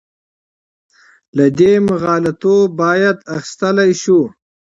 له دې مغالطو باید اخیستلی شو.